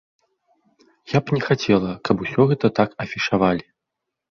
Я б не хацела, каб усё гэта так афішавалі.